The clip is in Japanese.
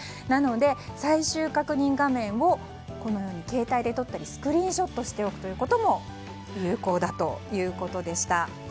なので最終確認画面をこのように携帯で撮ったりスクリーンショットしておくと有効だということでした。